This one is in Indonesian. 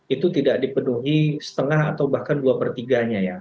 itu tidak dipenuhi setengah atau bahkan dua per tiga nya ya